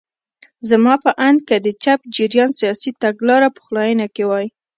زما په اند که د چپ جریان سیاسي تګلاره پخلاینه کې وای.